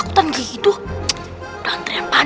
jangan main main lagi